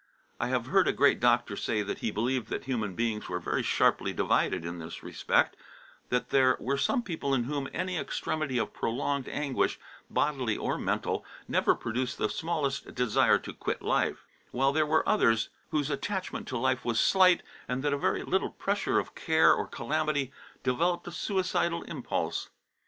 I have heard a great doctor say that he believed that human beings were very sharply divided in this respect, that there were some people in whom any extremity of prolonged anguish, bodily or mental, never produced the smallest desire to quit life; while there were others whose attachment to life was slight, and that a very little pressure of care or calamity developed a suicidal impulse.